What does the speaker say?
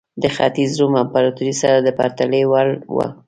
د ختیځ روم امپراتورۍ سره د پرتلې وړ وه.